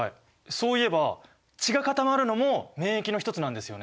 そういえば血が固まるのも免疫の一つなんですよね？